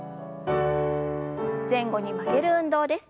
前後に曲げる運動です。